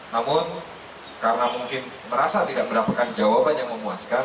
namun karena mungkin merasa tidak mendapatkan jawaban yang memuaskan